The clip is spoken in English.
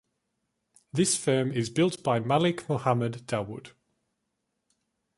This firm is built by Malik Muhammad Dawood.